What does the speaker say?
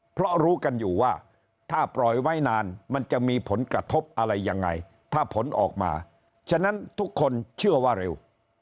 เพราะรู้กันอยู่ว่าถ้าปล่อยไว้นานมันจะมีผลกระทบอะไรยังไงถ้าผลออกมาฉะนั้นทุกคนเชื่อว่าเร็ว